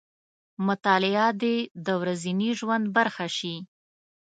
مطالعه دې د ورځني ژوند برخه شي.